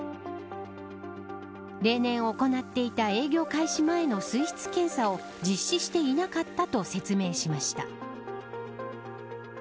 例年行っていた営業開始前の水質検査を実施していなかったと説明しました。